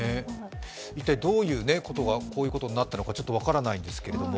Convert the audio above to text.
一体どういうことでこういうことになったのか分からないんですけど